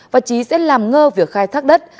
và trí sẽ làm ngơ việc khai thác đất